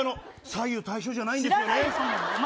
左右対称じゃないんですよね。